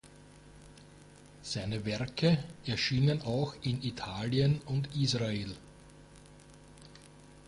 Seine Werke erschienen auch in Italien und Israel.